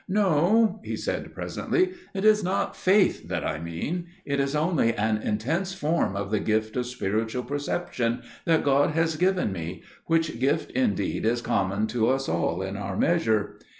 "No," he said presently, "it is not faith that I mean; it is only an intense form of the gift of spiritual perception that God has given me; which gift indeed is common to us all in our measure.